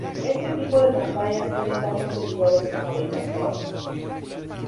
Este tipo de pantallas tiene tantos seguidores como detractores.